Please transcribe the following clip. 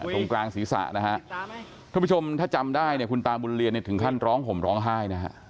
ตรงกลางศีรษะนะฮะทุกผู้ชมถ้าจำได้คุณตาบุญเรียนถึงขั้นร้องผมร้องไห้นะฮะ